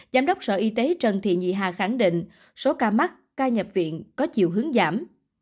giám đốc sở y tế trần thị nhị hà khẳng định số ca mắc ca nhập viện có chiều hướng giảm